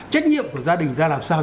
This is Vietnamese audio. trách nhiệm của gia đình ra làm sao